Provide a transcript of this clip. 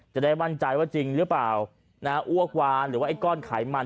จะได้มั่นใจว่าจริงหรือเปล่านะอ้วกวานหรือว่าไอ้ก้อนไขมัน